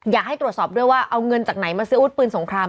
อยากให้ตรวจสอบด้วยว่าเอาเงินจากไหนมาซื้ออาวุธปืนสงคราม